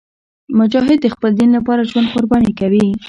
مجاهد د خپل دین لپاره ژوند قرباني کوي.